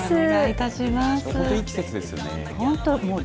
本当いい季節ですよね。